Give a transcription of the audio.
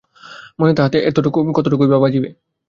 মনে তাহাতে কতটুকুই বা বাজিবে।